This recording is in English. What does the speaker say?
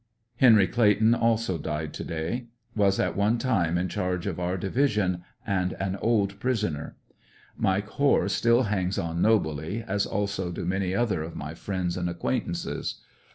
Henry Clayton also died to day. Was at one time in charge of our Divis ion, and an old prisoner. Mike Hoare still hangs on nobly, as also do many other of my friends and acquaintances.